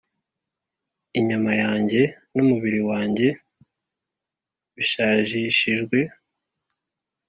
Inyama yanjye n umubiri wanjye bishajishijwe